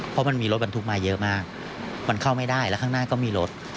เพราะมันมีรถบรรทุกมาเยอะมากมันเข้าไม่ได้แล้วข้างหน้าก็มีรถ